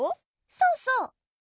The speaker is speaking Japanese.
そうそう！